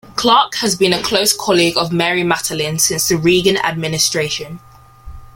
Clarke has been a close colleague of Mary Matalin since the Reagan administration.